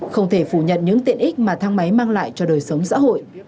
không thể phủ nhận những tiện ích mà thang máy mang lại cho đời sống xã hội